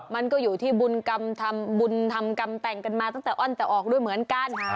มันก็อยู่ที่บุญกรรมทำบุญทำกรรมแต่งกันมาตั้งแต่อ้อนแต่ออกด้วยเหมือนกัน